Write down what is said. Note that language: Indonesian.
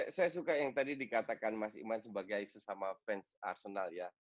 saya suka yang tadi dikatakan mas iman sebagai sesama fans arsenal ya